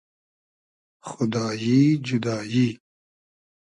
خودایی جودایی